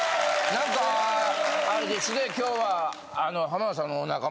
なんかあれですね今日はあの。